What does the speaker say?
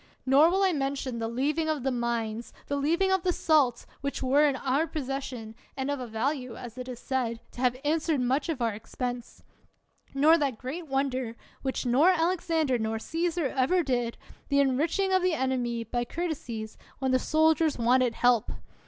Nor will I mention the leaving of the mines, the leaving of the salt, which were in our possession, and of a 45 THE WORLD'S FAMOUS ORATIONS value, as it is said, to have answered much of our expense. Nor that great wonder, which nor Alexander nor Caesar ever did, the enriching of the enemy by courtesies when the soldiers wanted help